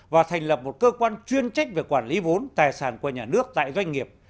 và thành lập một cơ quan chuyên trách về quản lý vốn tài sản của nhà nước tại doanh nghiệp